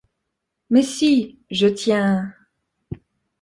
Mais si, je tiens…